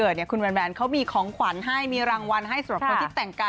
เจ้าจะตอบเรื่องนี้เลยเนอะ